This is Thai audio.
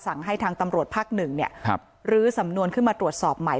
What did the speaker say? สั่งให้ทางตำรวจภาคหนึ่งเนี่ยครับหรือสำนวนขึ้นมาตรวจสอบใหม่